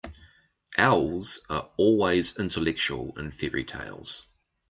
Owls are always intellectual in fairy-tales.